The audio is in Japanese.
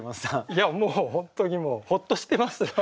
いやもう本当にもうホッとしてますよ。